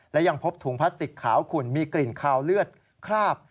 และยังพบถุงพลาสติกขาวขุ่นมีกลิ่นคาวเลือดคราบ